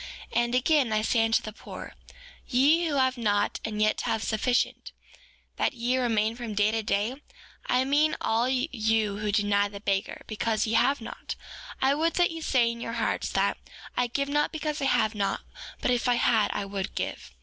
4:24 And again, I say unto the poor, ye who have not and yet have sufficient, that ye remain from day to day; I mean all you who deny the beggar, because ye have not; I would that ye say in your hearts that: I give not because I have not, but if I had I would give.